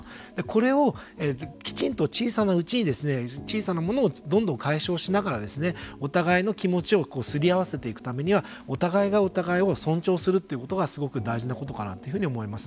これをきちんと小さなうちに小さなものをどんどん解消しながらお互いの気持ちをすり合わせていくためにはお互いがお互いを尊重するということがすごく大事なことかなと思います。